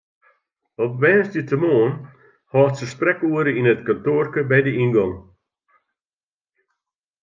Op woansdeitemoarn hâldt se sprekoere yn it kantoarke by de yngong.